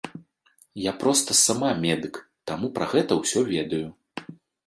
Я проста сама медык, таму пра гэта ўсё ведаю.